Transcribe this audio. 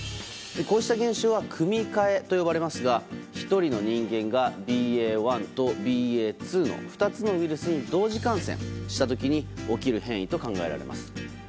こうした現象は組み換えと呼ばれますが、１人の人間がＢＡ．１とＢＡ．２の２つのウイルスに同時感染した時に起きる変異と考えられます。